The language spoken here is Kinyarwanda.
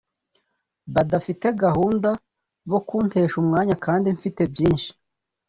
Badafite gahunda bokuntesha umwanya kandi mfite byinshi